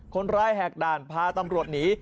คนร้ายแหกด่านพ้าตำรวจหนี